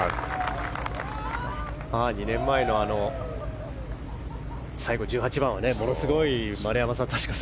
２年前の最後、１８番はものすごい、丸山さん